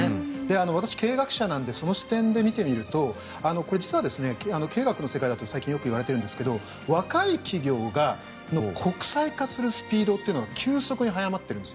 私、経営学者なんでその視点で見てみるとこれ、実は経営学の世界だと最近よく言われているんですが若い企業の国際化するスピードというのが急速に早まっているんです。